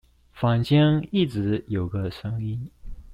坊間一直有一個聲音